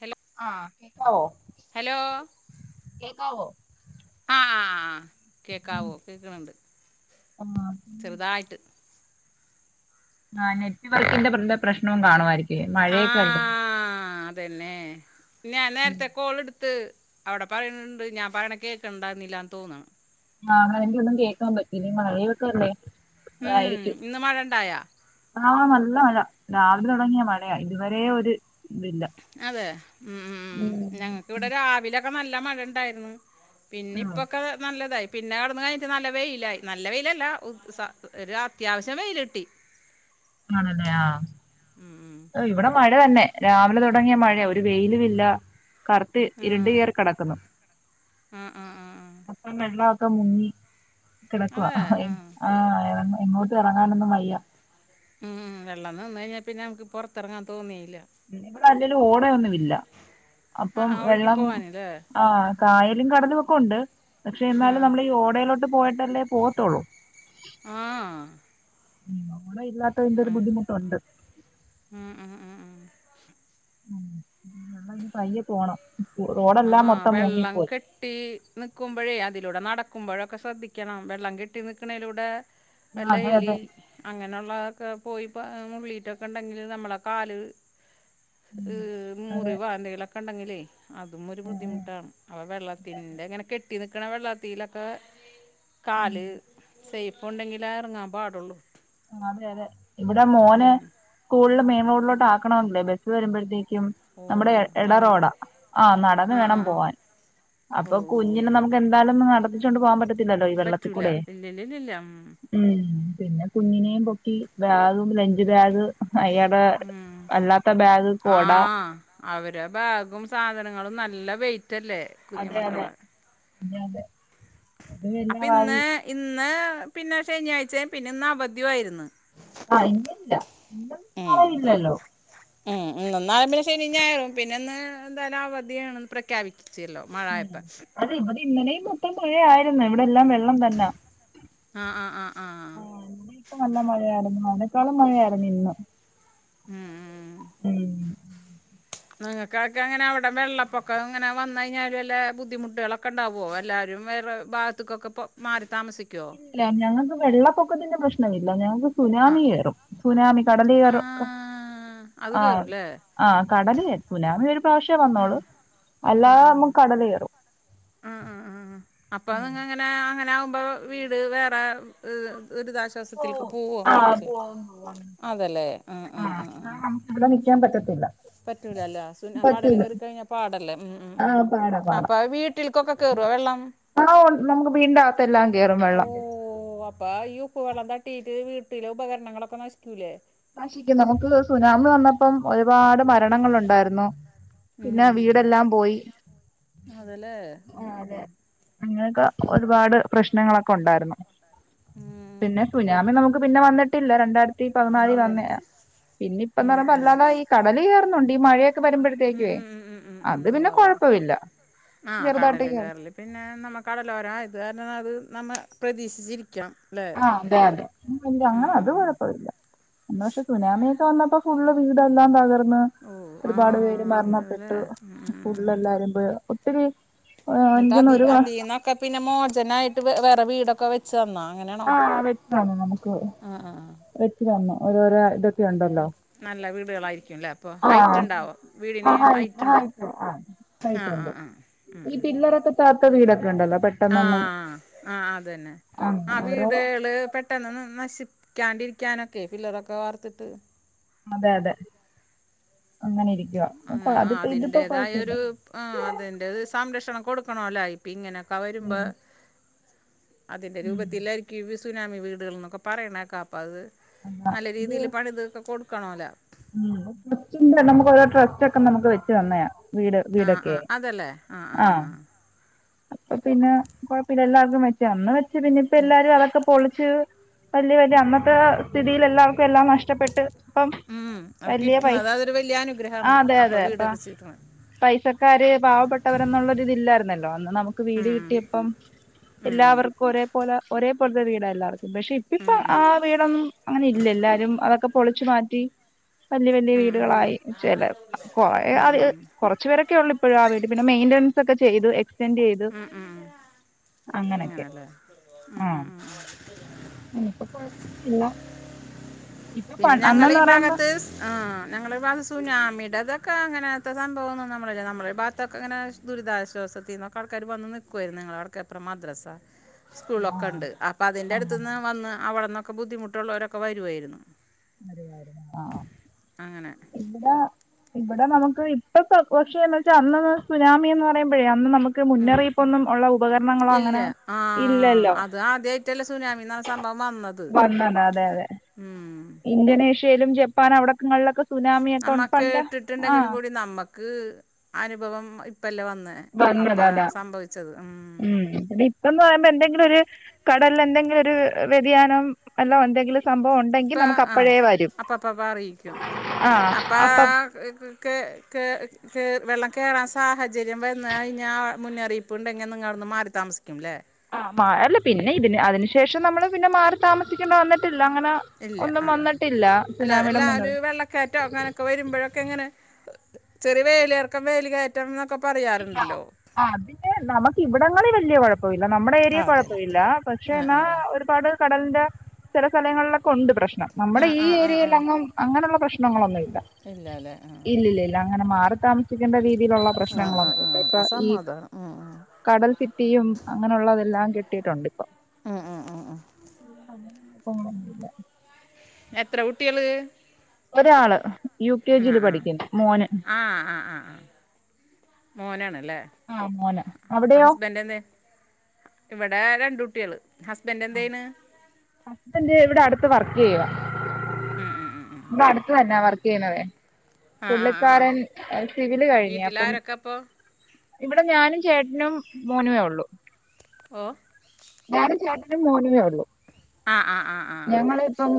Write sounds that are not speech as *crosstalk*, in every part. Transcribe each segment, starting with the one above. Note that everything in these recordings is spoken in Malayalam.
ഹലോ ആഹ കേക്കാവോ ഹലോ കേക്കാവോ ആഹ് കേൾക്കാവോ? കേൾക്കുന്നുണ്ട്. ആഹ് പിന്നെ ചെറുതായിട്ട്. ആ നെറ്റ് വർക്കിന്റെ പ്രശ്നവും കാണുമായിരിക്കും. ആഹ അതെന്നെ ഞാൻ നേരത്ത കോൾ എടുത്ത് അവിടെ പറയുന്നുണ്ട്. ഞാൻ പറയണത് കേൾക്ക്ണ്ടായില്ലാന്ന് തോന്നണ് ആ അങ്ങനെ എല്ലാം ഒന്നും കേൾക്കാൻ പറ്റുന്നില്ല. മഴയൊക്കല്ല, ഉം, ആതായിരിക്കും ഇന്ന് മഴ ഉണ്ടായാ ആ നല്ല മഴ. രാവിലെ തുടങ്ങിയ മഴയാ, ഇതുവരെ ഒരു ഇതില്ല അതെ ഉം ഉം ഉം ഞങ്ങക്കിവിടെ രാവിലൊക്കെ നല്ല മഴ ഇണ്ടായിരുന്നു. പിന്നെ ആഹ് ഇപ്പൊക്കെ നല്ലതായി പിന്നെ അവിട്ന്ന്ട കഴിഞ്ഞിട്ട് നല്ല വെയിലായി, നല്ല വെയിലല്ല ഒരു അത്യാവശ്യം വെയില് കിട്ടി. ആണല്ലേ ആഹ് ഉം. ഓ ഇവിടെ മഴ തന്നെ രാവിലെ തുടങ്ങിയ മഴയാ. ഒരു വെയിലുമില്ല. കറുത്ത് ആ ഇരുണ്ട് കേറി കിടക്കുന്നു. ആ ആ ആ ആ. അപ്പൊ വെള്ളമൊക്കെ മുങ്ങി കിടക്കുവ. അതെ ആഹ് ആ എങ്ങോട്ടും ഇറങ്ങാനൊന്നും വയ്യ ഉം വെള്ളം നിന്ന് കഴിഞ്ഞാൽ പിന്നെ നമുക്ക് പുറത്തിറങ്ങാൻ തോന്നേയില്ല. ഇവിടെ അല്ലേലും ഓടയൊന്നും ഇല്ല. ആ അപ്പം ആ ഒഴുകി വെള്ളം. പോവാനല്ലേ ആ. കായലും, കടലും ഒക്കെ ഉണ്ട്. പക്ഷെ ആ എന്നാലും നമ്മൾ ഈ ഓടയിലോട്ട് പോയിട്ടല്ലേ പോവത്തുള്ളൂ. ആ ഉം ഓടെ ഇല്ലാത്തതിന്റെ ആ ഒരു ബുദ്ധിമുട്ടുണ്ട്. ഉം ആഹ് ആഹ് വെള്ളം ഇനി പയ്യെ പോണം. ആ റോഡെല്ലാം മൊത്തം വെള്ളം മുങ്ങിപ്പോയി. കെട്ടി നിൽക്കുമ്പോഴേ അതിലൂടെ നടക്കുമ്പോഴൊക്കെ ശ്രദ്ധിക്കണം. വെള്ളം കെട്ടി നിൽക്കണതിലൂടെ ആഹ് വല്ല അതെ എലി അതെ അങ്ങനെ ഉള്ളതൊക്കെ പോയി മുള്ളിട്ടൊക്കെ ഇണ്ടെങ്കില് നമ്മളെ കാല്. ഹ് ഉം, അതെ മുറിവാ എന്തെങ്കിലൊക്കെ ഉണ്ടെങ്കിലേ. അതും ഒരു ബുദ്ധിമുട്ടാണ്. അപ്പൊ അതെ വെള്ളത്തിന്റെ ഇങ്ങനെ കെട്ടി നിക്കണ വെള്ളത്തിലൊക്കെ കാല്, സേഫ് ഉണ്ടെങ്കിലേ ഇറങ്ങാൻ പാടുള്ളൂ. അതെ, അതെ, ഇവിടെ മോനെ ഉം സ്കൂളിൽ മെയിൻ റോഡിലോട്ട് ആക്കണമല്ലോ. ബസ്സ് വരുമ്പോഴത്തേക്കും. ഓ നമ്മുടെ നടന്നു എടറോഡാ ആ നടന്ന് ആ ആ വേണം ആ പോവാൻ അപ്പൊ ഓ കുഞ്ഞിനെ നമുക്ക് എന്തായാലും നടത്തിച്ചോണ്ട് പോവാൻ പറ്റത്തില്ലല്ലോ, ഈ പറ്റൂല വെള്ളത്തിൽക്കൂടെ ഇല്ലല്ലല്ല ഉം. പിന്നെ കുഞ്ഞിനെയും പൊക്കി ബാഗും ലഞ്ച് ബാഗ് അയാടെ അല്ലാത്ത ബാഗ് ആ കൊട അവരെ ബേഗും സാധനങ്ങളും നല്ല വെയിറ്റല്ലേ കുഞ്ഞു അതെ അതെ മക്കളെ -അപ്പ അതുമെല്ലാമായി ഇന്ന് ഇന്ന് പിന്നെ ശനിയാഴ്ചയും. പിന്നെ ഇന്ന് അവധിയായിരുന്നു ആഹ് ഇന്ന്ല്ല. ഇന്നും നാളെയു ഇല്ലല്ലോ. ഇന്നും നാളെ പിന്നെ ശനിം ഞായറും പിന്നെ ഇന്ന് എന്തായാലും അവധിയാണന്ന് പ്രഖ്യാപിച്ചല്ലോ ഉം മഴായപ്പം അത് ഇത് ഇന്നലേയും മൊത്തം പുഴയായിരുന്ന്. ഇവടെ എല്ലാം വെള്ള വെള്ളം തന്നെ ആഹ് ആഹ് ആഹ് ആഹ് ഇന്ന്ട്ടും നല്ല മഴയായിര്ന്നു. അയ്നേക്കാളും മഴയായിരുന്നു ഇന്ന് ഉം ഉം ഉം ഉം ക്കാക്കെ ഇങ്ങനെ അവിടെ വെള്ളപ്പൊക്കം ഇങ്ങനെ വന്ന്കഴിഞ്ഞാ വല്ല ബുദ്ധിമുട്ടുകളൊക്കെ ഉണ്ടാവൊ? എല്ലാരും വേറെ ഭാത്ത്ക്കൊക്കെ ഇപ്പൊ മാറി താമസിക്കോ ഇല്ല ഞങ്ങക്ക് വെള്ളപ്പൊക്കത്തിന്റെ പ്രശ്ന ഇല്ല ഞങ്ങക്ക് സുനാമി ആഹ് കേറും സുനാമി കടല *unintelligible* യ റൊക്ക് ആഹ് അത് ആഹ് കേറൂല്ലേ ആഹ് കടല് എത്ത് ഒരു പ്രാവശ്യ വന്നൊളു ആഹ് അല്ലാതെ ആഹ് നമ്മുക്ക് കടല്‌കേറും ആഹ് ആഹ് ആഹ് അപ്പൊ ഉം അതെങ്ങനെ അങ്ങനെകുമ്പോ വീട് വേറെ ഒരുദാശ ഓ സത്തില്ക്ക് പോഹോ ആ അങ്ങനെ ഒക്കെ ചയ് പോവും പോവും അതേലേ അഹ് ആ അഹ് അഹ് ആ, അഹ് നമുക്ക് ഇവിടെ നിക്കാൻ പറ്റത്തില്ല പറ്റൂലല്ലോ സുന കടല് പറ്റൂല കേറി കഴിഞ്ഞാ പാടല്ലേ ഉം ഉം ആ ഉം ഉ പാടാ പാടാ അപ്പൊ വീട്ടിൽക്കൊക്കെ കേറോ വെള്ളം ഇണ്ടോത്തെല്ലാം കേറും വെള്ളം പ്പ ഈ ഉപ്പ് വെള്ളം തട്ടിയിട്ട് വീട്ടിലെ ഉപകരണങ്ങളൊക്കെ നശിക്കൂലേ നശിക്കും നമുക്ക് സുനാമി വന്നപ്പം ഒരുപാട് മ ഭരണങ്ങളുണ്ടായിരുന്നു. ഉം പിന്നെ വീടെല്ലാം പോയി അതെലെ ഉം ഉം അങ്ങനെക്കെ ഒരുപാട് പ്രശ്നങ്ങളൊക്കെ ഉണ്ടായിരുന്നു ഉം പിന്നെ സുനാമി നമുക്ക് പിന്നെ വന്നിട്ടില്ല രണ്ടായിരത്തി പതിനാലിൽ വ ഉം പിന്നെ ഇപ്പ ന്ന് ഉം ഉം ഉം പറയ്പോ അല്ലാതെ ഈ കടല് കേറുന്നുണ്ട് ഈ മഴ ക്ക് വരുമ്പഴത്തേ ഉം ക്യേ. ഉം ഉം ഉം അത് ഉം പിന്നെ ഉവ്വ് ഉവ്വ്. കൊഴപ്പോ ല്ല ആ ചെറുതായ്ട്ട കടൽ കയറല് പിന്നെ അന്നമ്മക്കതല്ല ഒരാ ഇത് കാര്ണം അത് നമ്മൾ പെതീക്ഷിച്ചിരിക്കണം. ആഹ് അതെ അതെ അങ്ങനെ അത് ഉം കൊഴപ്പ്വല്ല എന്ന് പക്ഷെ സുനാമിയൊക്കെ വന്നപ്പോ ഫുള്ള് വീടൊ എല്ലാം തകർന്ന് ഓ ആ ഒരുപാട് പേര് അതിനല്ലേ മരണപ്പെട്ടു. ഉം ഉം ഫുള്ള് ഉം. എല്ലാരും പോയ് ഒത്തിരി എനിക്കന്നു ഒരു *unintelligible* ക്കെപിന്നെ മോജനായിട്ട് വേറെ വീടൊക്കെ വെ ച്ചെ ന്നൊ. അങ്ങനെണോ ആഹ് വെച്ച് തന്നു നമുക്ക് ആഹ്ആഹ് അഹ് വെച്ച് തന്നു. ഓരോരോ ഇതൊക്കെ ഉണ്ടല്ലോ നല്ല വീടുകളായിരിക്കുംല്ലേ. അപ്പൊ ഹൈറ്റ് ആഹ് ഉണ്ടാവോ വീടിന് ആഹ് ഹൈ ഹൈറ്റ് ഇണ്ടോ ആഹ് ഹൈറ്റുണ്ട്. ഈ ഉം പില്ലറക്ക ദാത്ത വീടൊക്കെ ഉണ്ടല്ലോ പെട്ടെന്നൊന്നും ആഹ് ആഹ് അതന്നെ ആഹ് ആഹ് ഓരോ വീടുകള് പെട്ടെന്നോന്നും നശിക്കാണ്ടിരിക്കാനൊക്കെയ് ഫില്ലറൊക്കെ വാർത്തിട്ട് അതെ അതെ അങ്ങനെ ഇരിക്കുവ. ആഹ് അത്പ്പോ ഇതിപ്പോ കൊഴപ്പെ ഇല്ല അതിൻ്റേതായൊരു ആഹ് അതിന്റെ സംരക്ഷണം കൊടുക്കണോല്ലേ. ഇപ്പൊ ഇങ്ങനൊക്കെ വരുമ്പെ ഉം അതിന്റെ ഉം രൂപത്തില്ലായിര്ക്കും ഈ വി സുനാമി വീടുകൾ എന്നൊക്കെ പറേണേക്ക അപ്പ അത് അതാ നല്ല ഇത് രീതിയില് പണി തീർത്ത് കൊടുക്കണോല ഉം ട്രസ്റ്റിന്റെ നമുക്ക് രോ ട്രസ്റ്റ് ഒക്കെ നമുക്ക് വെച്ച് തന്ന്യാ വീട് ആ ആ വീടൊക്കെ അതല്ലേ ആ ആ ആഹ് ആ അപ്പ പിന്നെ കൊഴപ്പില്ല എല്ലാർക്കും വെച്ച അന്ന് വെച്ച് പിന്നെ ഇപ്പ എല്ലാരും അതൊക്കെ പൊളിച്ച് വലിയ വല്യ അന്നത്തെ സ്ഥിതിയിൽ എല്ലാവർക്കും എല്ലാം നഷ്ടപ്പെട്ട് പ്പം ഉം, അപ്പോൾ വലിയ പൈ, കിട്ടണത് അതൊരു വലിയ ആഹ് അനുഗ്രഹമാണ് അതെ, അപ്പം അതെ അപ്പ വീടൊക്കെ ചീട്ടണം പൈസക്കാര് പാവപ്പെട്ടവരന്നുള്ള തില്ലായിരുന്നല്ലോ നമുക്ക് വീട് കിട്ടിയപ്പം എല്ലാവർക്കും ഒരേപോലെ ഒരേ പോലത്തെ വീടാ എല്ലാവർക്കും പക്ഷെ ഇ ഇപ്പൊ ആ വീടൊന്നും അങ്ങനെ ഇല്ല എല്ലാരും അതൊക്കെ പൊളിച്ചു മാറ്റി വല്യ വല്യ വീടുകളായി ചെലപ്പോ കൊറേ *unintelligible* കുറച്ച് പേരൊക്കെ ഉള്ളു ഇപ്പോഴും ആ വീട്ടിൽ, പിന്നെ മെയിന്റനൻസ് ഒക്കെ ചെയ്തു എക്സ്റ്റെൻഡ് ഒക്കെ ചെയ്തു. അങ്ങനെയൊക്കെ അങ്ങനെല്ലേ ഉ ഊ ഇപ്പ കൊഴപ്പൊന്നുല്ല, ഇപ്പൊ പ അന്നന്ന് പറയുമ്പോ ആഹ് ഞങ്ങളെ ഭാഗം സുനാമിടതൊക്കെ അങ്ങനെത്തെതാ തോന്നുന്നു, സ നമ്മളില്ല നമ്മളെ ഭാത്തൊക്കെങ്ങനെ ദുരിതാശ്വാസത്തിനോക്കെ ആൾക്കാര് വന്ന് നിക്കൊയിരുന്നു, ഞങ്ങളെ *unintelligible* മദ്രസ *inaudible* സ്കൂളൊക്കെ ആഹ് ഉണ്ട്, അപ്പൊ അതിന്റെ അങ്ങനെ അടുത്തുന്നു വന്ന് അവിടെന്നൊക്കെ ബുദ്ധിമുട്ടുള്ളവരൊക്കെ വരുവായിരുന്നു *unintelligible* ആഹ് അങ്ങനെ ഇവിടെ, ഇവിടെ നമുക്ക് ഇപ്പ *unintelligible* പക്ഷേന്നെച്ചാൽ അന്ന് സുനാമിന്ന് പറ യുമ്പയെ അന്ന് നമുക്ക് ഉം. മുന്നറിയിപ്പൊന്നും ഉള്ള ഉപകരണങ്ങളോ അങ്ങനെ ഇല്ലല്ലോ മറ്റല്ല സുനാമിന്നാണ് സംഭവം വന്നത് അതെ അതെ ഉം ഇന്തോനേഷ്യയിലും ജപ്പാൻ അവിടക്കങ്ങളിലൊക്കെ സുനാമിയൊക്കെ നമ്മ പണ്ട് കേട്ട്ടിട്ടുണ്ടെങ്കിലും ആഹ് കൂടി നമ്മക്ക് അനുഭവം ഇപ്പല്ലേ വന്നേ അപ്പ സംഭവിച്ചത് ഉം *inaudible* പ്പന്ന് പറയുമ്പോ എന്തെങ്കിലും ഒരു കടലിൽ എന്തെങ്കിലും ഒരു വ്യതിയാനം അല്ല എന്തെങ്കിലും സംഭവം ഉണ്ടെങ്കിൽ ഇപ്പം നമുക്ക് ആ അപ്പഴേ വരും അപ്പപ്പ അപ്പ അറിയിക്കും ആഹ് അപ്പ അപ്പൊ ക് കേ കേർ വെള്ളം കേറാൻ സാഹചര്യം വന്ന് കഴിഞ്ഞൽ മുന്നറിയിപ്പ്ണ്ടെങ്കിൽ നിങ്ങളവ്ട്ന്ന് മാറി താമസിക്കുംലേ? ആ മഴല്ല, പിന്നെ ഇതിന് അതിനന്ശേഷം നമ്മള് പിന്നെ മാറി താമസിക്കേണ്ടി വന്നിട്ടില്ല അങ്ങനെ ഇല്ല ഒന്നും ആഹ് ആഹ് വന്നിട്ടില്ല അല്ല, സുനാമിയുടെ എല്ലാ മുന്നിൽ ഒരു വെള്ള കയറ്റോ അങ്ങനൊക്കെ വരുമ്പോഴൊക്കെ ഇങ്ങനെ ചെറിയ വേലി ഇറക്കം വേലികേ റ്റം ന്നൊക്കെ പറയാറുണ്ടല്ലോ ആഹ് അതിന് നമുക്ക് ഇവിടങ്ങളിൽ വലിയ കുഴപ്പമില്ല നമ്മുടെ ആ ഏരിയക അതെല്ലേ കുഴപ്പമില്ല,, പക്ഷേ ആ എന്നാ ആ ഒരു പാട് കടലിന്റെ ചില സ്ഥലങ്ങളിലൊക്കെ ഉണ്ട് പ്രശ്നം നമ്മുടെ ആ ഈ ആ ആ ഏരിയൽ ആ അങ്ങങും അങ്ങനെയുള്ള പ്രശ്നങ്ങളൊന്നുംല്ല, ഇല്ല അല്ലേ ഇല്ലില്ലല്ല അങ്ങനെ മാറി താമസിക്കേണ്ട രീതിയിലുള്ള ആഹ് ആഹ് പ്രശ്നങ്ങളൊന്നും ഇല്ല ഇപ്പൊ ആഹ്, ഈ സമാധാനം ഉം ഉം കടൽ ഭിത്തിയും അങ്ങനെയുള്ളതെല്ലാം കിട്ടിയിട്ടുണ്ട് ഉം ഉം ഉം ഉം ഉം *unintelligible* എത്ര കുട്ടികള്? ഒരാള് യു കെ ജിയില് ആ പഠിക്ക്ണ്, മോന് മോനണല്ലേ ആ മോന് അവിടെയോ ഹസ്ബൻഡന്തേ? ഇവിടെ രണ്ട കുട്ടികള് ഹസ്ബന്ഡ് എന്ത് ചെയ്യണ്? ഹസ്ബൻഡ് ഇവിടെ അടുത്ത് വർക്ക് ചെയ്യുവാ, ഉം ഉം ഉം ഉം. ഇവിടെ അടുത്ത് തന്നെ വർക്ക് ചെയണതേ ആ ആ ആ പുള്ളിക്കാരൻ സിവില് കഴിഞ്ഞി അപ്പം ന്താപ്പോ ഇവിടെ ഞാനും ചേട്ടനും മോനുവേ ഉള്ളൂ ഓഹ് ഞാനും ചേട്ടനും മോനുവേ ഉള്ളൂ ആഹ് ആഹ് ആഹ് ആഹ് ഞങ്ങളിപ്പം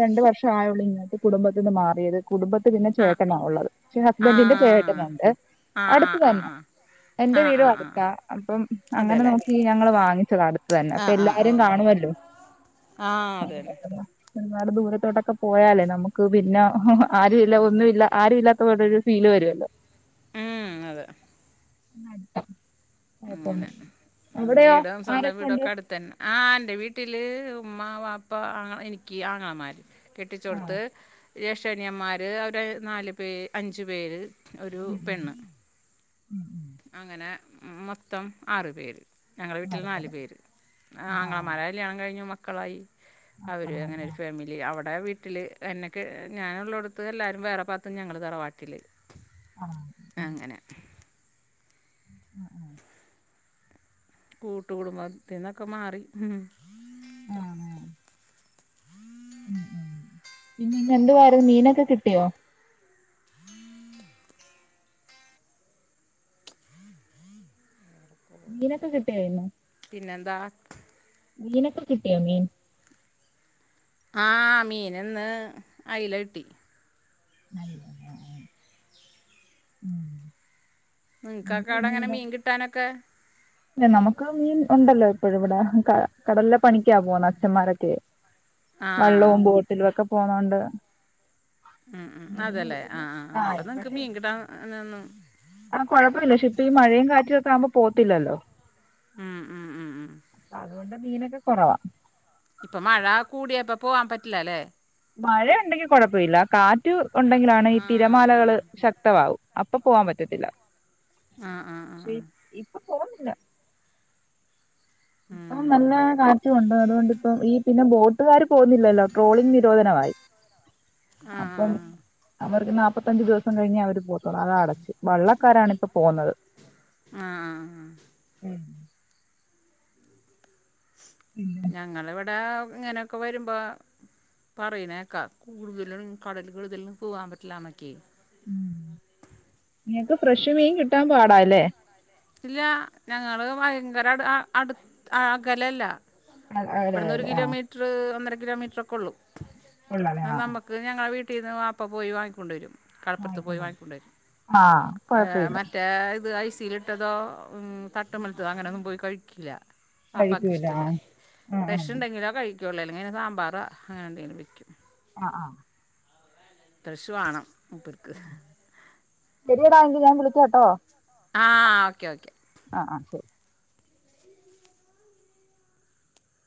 രണ്ട് വർഷം ആയുള്ളൂ, ഇങ്ങട്ട് കുടുംബത്തിന്ന് മാറിയത് കുടുംബത്തി പിന്നെ ആ ചേട്ടനാ ഉള്ളത്, പക്ഷെ ആ ആ ഹസ്ബൻഡിന്റെ ചേട്ടന ഉണ്ട് ആ ആ അടുത്ത തന്നെ എന്റെ ആ ആ വീടു ആ അ ആ ടുത്താ അപ്പം അങ്ങനെ അതെല്ലേ നോക്കിഞങ്ങള് വാങ്ങിച്ചത അടുത്ത് തന്നെ അപ്പൊ എല്ലാരും കാണുമല്ലോ? ആഹ് അതെ അ *inaudible* ഒരുപാട് ദൂരത്തോട്ടൊക്കെ പോയാലേ നമുക്ക് പിന്നെ ആരു ഇല്ല ഒന്നുമില്ല ആരു ഇല്ലാത്ത പോലരു ഫീല് വരുല്ലോ ഉം അതെ ഴപ്പ അങ്ങനെ ഉം, അവിടെയോ വീടും സ്വന്തം ആരൊക്കെ ഉണ്ട്. വീടൊക്കെ അടുത്ത് തന്നെ ആ എന്റെ വീട്ടില് ഉമ്മ വാപ്പ ആ എനിക്ക് ആങ്ങളമാര് ആ കെട്ടിച്ചൊടുത്ത് ജേഷ്‌ടനാനിയന്മാര് അവർ നാല് പേ അഞ്ച് പേര് ഒരു ഉം ഉം പെണ്ണ് ഉം ഉം അങ്ങനെ മൊത്തം ആറ് പേര് ഞങ്ങളുടെ വീട്ടിൽ നാല് മാറിത്തരാം പേര് ആ ആ ആങ്ങളമാര് ആ കല്യാണം കഴിഞ്ഞു മക്കളായി അപ്പാ അവര് അങ്ങനെ ഒരു ആ ഫാമിലി അവിടെ വീട്ടില് എന്നെക്കെ ഞാഉള്ളോടത്ത് എല്ലാരും വേറെ പാർത്ത് ഞങ്ങള് തറവാട്ടില്. ആഹ്. അങ്ങനെ.. *inaudible* കൂട്ടു കുടുംബത്തിൽന്നൊക്കെ മാറി മ് *inaudible* പിന്നെ ഇന്ന് എന്തുവാര് മീനൊക്കെ കിട്ടിയോ? മീനൊക്കെ കിട്ടിയായ്ര് ന്ന്. പിന്നെ എന്താ? മീനോക്കെ കിട്ടിയോ മീൻ.. ആഹ മീന് ന്ന് അയില കിട്ടി. *inaudible* നിൻ നമുക്ക് ക്കാക്കടെ പിന്നെ ങ്ങനെ ഇവിടെ മീൻ കിട്ടാനൊക്കെ.? ഇല്ല നമമ്ക്ക് മീൻ ഒണ്ടല്ലോ ഇപ്പോഴ് ഇവിടെ കടലിലെ പണിക്കാ പോന്ന അച്ഛമാരൊക്കെ. ആ ആ വള്ളോം ബോട്ടിലു ഒക്കെ പോണോണ്ട് ഉം ഉം അതല്ലേ ആ ആ് ആ അപ്പൊ നിക്ക് പക്ഷെ മീൻ കിട്ടാ അഹ് നോന്നും ആ കൊഴപ്പില്ല ഷി പ്പീ മഴയും കാറ്റ്ഒക്ക ആവുമ്പോ പോത്തില്ലല്ലോ. ഉം, ഉം, ഉം, ഉം. *unintelligible* അതോണ്ട് മീനൊക്കെ കൊറവാ. ഇപ്പൊ മഴ കൂടിയാപ്പ പോവാ പറ്റില്ല ലെ.? മഴ ണ്ടെങ്കി കൊഴപ്പ ഇല്ല കാറ്റ് ഒണ്ടെങ്കിലാണ് ഈ ആ ആ തിരമാലകള് ശക് ത്ത മാവും അപ്പൊ പോവാ പറ്റത്തില്ല ആ ആ ആ ഷെ ആ. ഇപ്പൊ പോവുന്നില്ല. പ്പൊ നല്ല ഉം. കാ ച് കൊണ്ടോയതോണ്ടിപ്പം ഈ പിന്നെ ബോട്ടുകാര് പോന്നില്ലല്ലോ ട്രോളിംഗ് നിരോധനവായി. ആ ആ അപ്പം അവർക്ക് നാ മുപ്പത്തഞ്ചു ദിവസം കഴിഞ്ഞെ അവര് പോത്തോള്ളു അത് അടച്ച് വള്ളക്കാരാണ് ഇപ്പൊ പോന്നത്. ആഹ് ആ.. മ്. പിന്നെ ഞങ്ങളിവടെ ഇങ്ങനൊക്കെ വരുമ്പോ പറയ്ന്നേക്കാ കൂടുതലും കടൽ കള്തെല്ലം പൂവാ പറ്റില്ല നെക്കെ. നിങക്ക് ഫ്രഷ് മീൻ കിട്ടാ പാടാല്ലേ? ഇല്ല ഞങ്ങള് ഭയങ്കര അട് ആ അടുആ അകലല്ല. അതെ ഇവട്ന്ന് ഒരു അതെ ആ കിലോമീറ്റ്റ് ഒന്നര കിലോമീറ്ററ് ഒക്കോ ള്ളൂ ഉള്ളല്ലേ അഹ് ആ നമ ക് ഞങ്ങളെ വീട്ടീന്ന് വാപ്പ പോയ് വാങ്ങി കൊണ്ടേരും. കടപൊർത്ത് പോയി വാങ്ങിക്കണ്ട വാങ്ങിക്കൊണ്ടെരും ആ അഹ് കൊഴപ്പമില്ല മറ്റേ ഇത് ഐസില് ട്ടതോ തട്ടുമ്മൽത്ത് അങ്ങനെന്നും പോയി കഴിക്കില്ല. വാപ്പാക്ക് കഴിക്കൂല ഇഷ്ടല്ല ആ ആ ഫഷ് ണ്ടെങ്കിലോ കഴിക്കുള്ളു എല്ലെങ്ങെ സാമ്പാറ അങ്ങനെ എന്തെങ്കിലും കയ്ക്കും. ആഹ് ആഹ് ഫ്രഷ് വാണം മൂപ്പര്ക്ക്. ശെരിയെടാ എങ്കി ഞാൻ വിളിക്കാ ട്ടോ. ആഹ് ഓക്കെ ഓക്കെ. ആഹ് ആഹ് ശെരി.